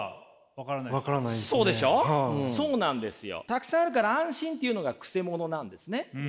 たくさんあるから安心っていうのがくせ者なんですね。